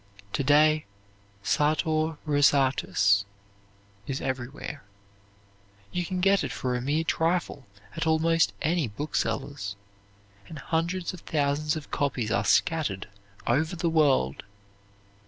Today, "Sartor Resartus" is everywhere. You can get it for a mere trifle at almost any bookseller's, and hundreds of thousands of copies are scattered over the world.